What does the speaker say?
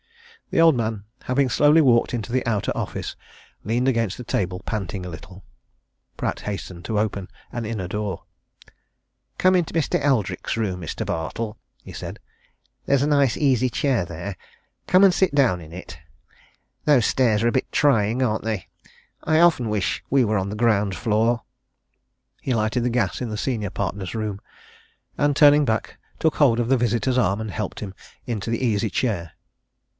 The old man, having slowly walked into the outer office, leaned against a table, panting a little. Pratt hastened to open an inner door. "Come into Mr. Eldrick's room, Mr. Bartle," he said. "There's a nice easy chair there come and sit down in it. Those stairs are a bit trying, aren't they? I often wish we were on the ground floor." He lighted the gas in the senior partner's room, and turning back, took hold of the visitor's arm, and helped him to the easy chair.